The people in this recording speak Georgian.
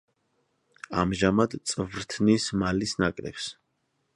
ამჟამად წვრთნის მალის ნაკრებს.